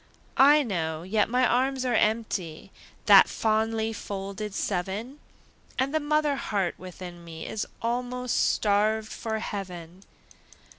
I know, yet my arms are empty, That fondly folded seven, And the mother heart within me Is almost starved for heaven.